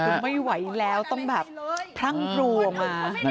คือไม่ไหวแล้วต้องแบบพรั่งพรูออกมา